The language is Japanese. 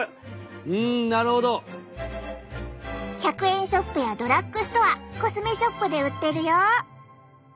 １００円ショップやドラッグストアコスメショップで売ってるよ！